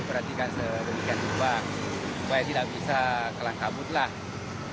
perhatikan sedikit sedikit pak supaya tidak bisa kalang kabut lah